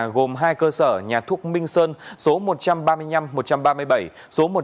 gồm hai cơ sở nhà thuốc minh sơn số một trăm ba mươi năm một trăm ba mươi bảy